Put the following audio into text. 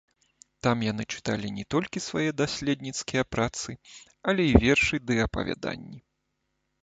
Там яны чыталі не толькі свае даследніцкія працы, але і вершы ды апавяданні.